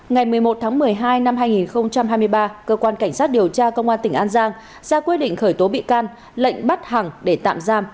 ngày một mươi một tháng một mươi hai năm hai nghìn hai mươi ba cơ quan cảnh sát điều tra công an tỉnh an giang ra quyết định khởi tố bị can lệnh bắt hằng để tạm giam